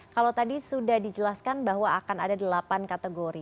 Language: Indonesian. kalau tadi sudah dijelaskan bahwa akan ada delapan kategori